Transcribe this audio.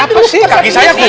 apa sih kaki saya beli